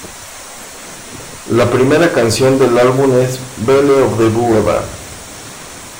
La primera canción del álbum es ""Belle of the Boulevard"".